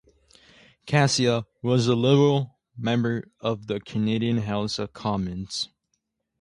Caccia was a Liberal member of the Canadian House of Commons.